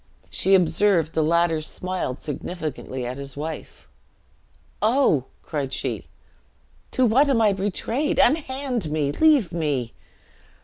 She observed the latter smiled significantly at his wife. "Oh!" cried she, "to what am I betrayed? Unhand me! Leave me!"